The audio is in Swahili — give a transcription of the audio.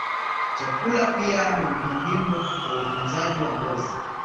Chakula pia ni muhimu kwa utunzaji wa ngozi.